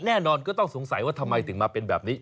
แน่นอนก็ต้องสงสัยว่าทำไมถึงมาเป็นแบบนี้